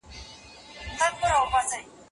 دومره مخته باید ولاړ سې چي نن لیري درښکاریږي